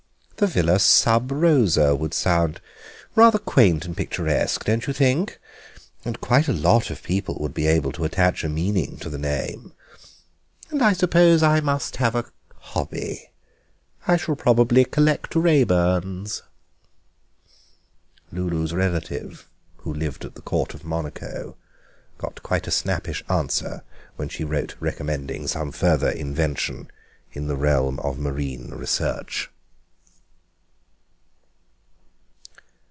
The Villa Sub Rosa would sound rather quaint and picturesque, don't you think, and quite a lot of people would be able to attach a meaning to the name. And I suppose I must have a hobby; I shall probably collect Raeburns." Lulu's relative, who lived at the Court of Monaco, got quite a snappish answer when she wrote recommending some further invention in the realm of marine research.